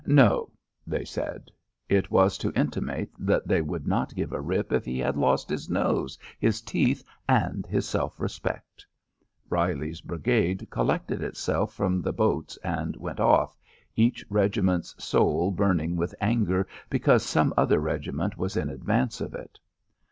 "No," they said. It was to intimate that they would not give a rip if he had lost his nose, his teeth and his self respect. Reilly's brigade collected itself from the boats and went off, each regiment's soul burning with anger because some other regiment was in advance of it.